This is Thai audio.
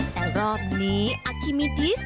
แต่รอบนี้อาคิมิดิสต